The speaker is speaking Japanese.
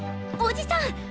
おじさん！